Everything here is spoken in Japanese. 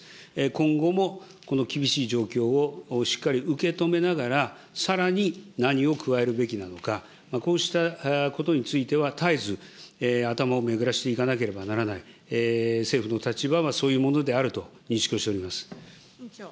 今後も、この厳しい状況をしっかり受け止めながら、さらに何を加えるべきなのか、こうしたことについては、絶えず頭を巡らせていかなければならない、政府の立場はそういうものであると認識をしております。